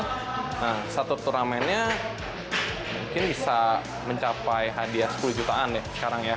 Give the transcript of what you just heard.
nah satu turnamennya mungkin bisa mencapai hadiah sepuluh jutaan ya sekarang ya